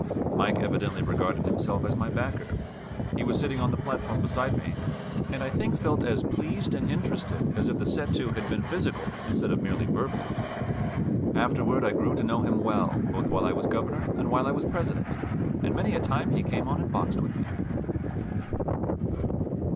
Mike evidently regarded himself as my backer he was sitting on the platform beside me and I think felt as pleased and interested as if the set to had been physical instead of merely verbal. Afterward I grew to know him well both while I was Governor and while I was President, and many a time he came on and boxed with me.